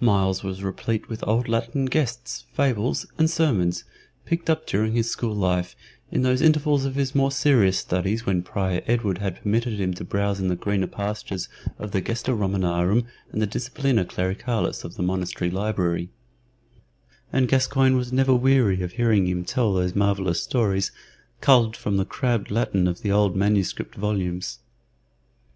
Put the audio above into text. Myles was replete with old Latin gestes, fables, and sermons picked up during his school life, in those intervals of his more serious studies when Prior Edward had permitted him to browse in the greener pastures of the Gesta Romanorum and the Disciplina Clericalis of the monastery library, and Gascoyne was never weary of hearing him tell those marvellous stories culled from the crabbed Latin of the old manuscript volumes.